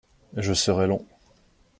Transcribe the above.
Je serai long.